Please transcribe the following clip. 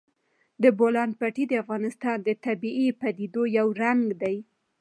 د بولان پټي د افغانستان د طبیعي پدیدو یو رنګ دی.